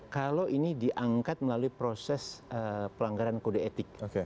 kalau ini diangkat melalui proses pelanggaran kode etik